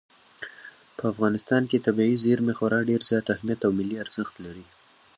په افغانستان کې طبیعي زیرمې خورا ډېر زیات اهمیت او ملي ارزښت لري.